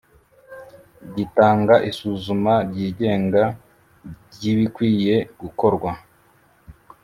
gitanga isuzuma ryigenga ry’ ibikwiye gukorwa